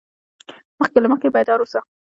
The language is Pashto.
مخکې له مخکې بیدار اوسه.